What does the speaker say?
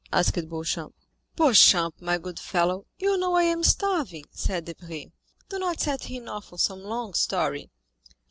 asked Beauchamp. "Beauchamp, my good fellow, you know I am starving," said Debray: "do not set him off on some long story."